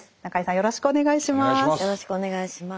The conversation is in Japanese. よろしくお願いします。